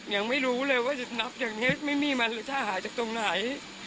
ยังไม่รู้เลยว่านับอย่างนี้ไม่มีมันหรือถ้าหายจากตรงไหน